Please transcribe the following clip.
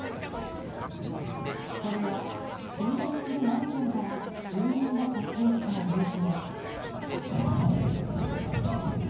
これは、隣接するマンションから住人が撮影した映像。